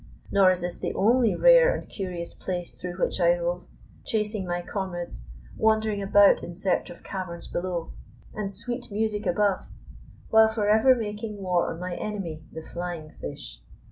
Nor is this the only rare and curious place through which I rove, chasing my comrades, wandering about in search of caverns below, and sweet music above, while forever making war on my enemy, the flying fish.